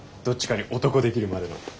どっちかに男できるまでの。